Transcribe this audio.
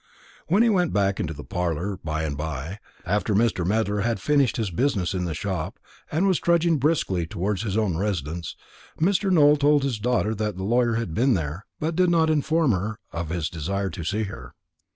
When he went back to the parlour by and by, after Mr. Medler had finished his business in the shop, and was trudging briskly towards his own residence, Mr. Nowell told his daughter that the lawyer had been there, but did not inform her of his desire to see her.